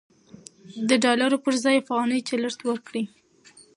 د ډالرو پر ځای افغانۍ چلښت ورکړئ.